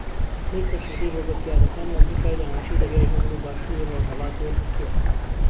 پلەی سەرکردەی ھێزە پیادەکانی ئەمریکای لە ناوچەی دەریای ھێمن و باشووری ڕۆژھەڵات وەرگرتووە